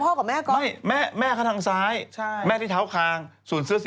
พ่อสมยาวมากเลยเหรอ